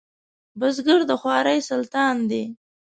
بزګر د خوارۍ سلطان دی